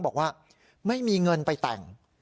บอกว่าไม่มีเงินไปแต่ง